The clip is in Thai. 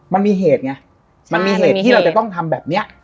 มันมีเหตุไงมันมีเหตุที่เราจะต้องทำแบบนี้